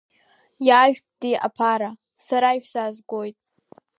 Иаажәг, ди, аԥара, сара ишәзаазгоит!